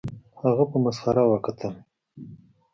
هغه په مسخره وکتل